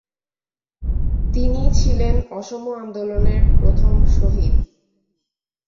তিনি ছিলেন অসম আন্দোলনের প্রথম শহীদ।